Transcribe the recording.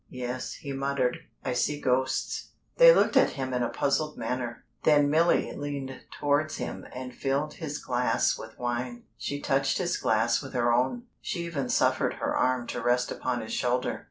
"Yes," he muttered, "I see ghosts!" They looked at him in a puzzled manner. Then Milly leaned towards him and filled his glass with Wine. She touched his glass with her own, she even suffered her arm to rest upon his shoulder.